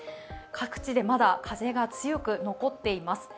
各地でまだ風が強く残っています。